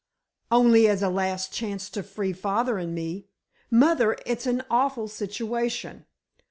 "Only as a last chance to free father and me. Mother it's an awful situation.